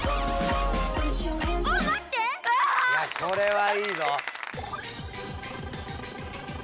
これはいいぞ。